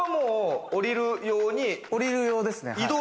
下りる用ですね。